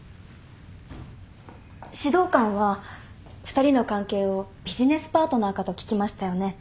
指導官は２人の関係をビジネスパートナーかと聞きましたよね。